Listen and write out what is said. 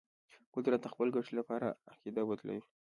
قدرت د خپل ګټې لپاره عقیده بدلوي.